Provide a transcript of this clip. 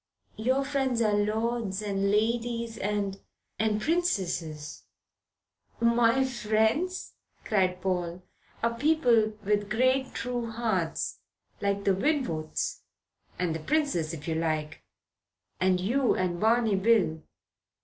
Your friends are lords and ladies and and princesses " "My friends," cried Paul, "are people with great true hearts like the Winwoods and the princess, if you like and you, and Barney Bill."